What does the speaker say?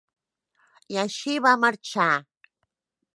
I així va marxar.